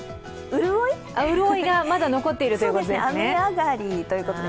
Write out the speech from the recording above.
潤いがまだ残っているということですね。